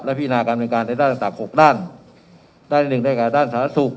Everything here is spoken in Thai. พินาการบริการในด้านต่างหกด้านด้านหนึ่งได้กับด้านสาธารณสุข